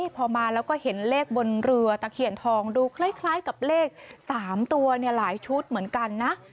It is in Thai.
พอมาแล้วก็เห็นเลขบนเรือตะเคียนทองดูคล้ายกับเลข๓ตัวหลายชุดเหมือนกันนะ